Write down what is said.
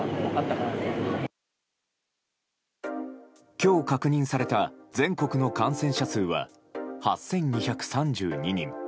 今日確認された全国の感染者数は８２３２人。